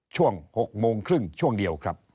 ช่วง๖โมงครึ่งช่วงเดียวครับ